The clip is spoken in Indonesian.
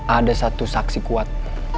ada satu saksi kuat